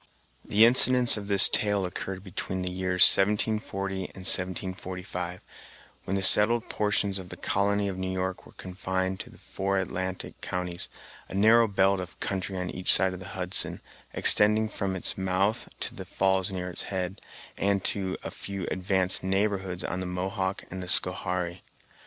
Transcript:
The incidents of this tale occurred between the years 1740 and 1745, when the settled portions of the colony of New York were confined to the four Atlantic counties, a narrow belt of country on each side of the Hudson, extending from its mouth to the falls near its head, and to a few advanced "neighborhoods" on the Mohawk and the Schoharie.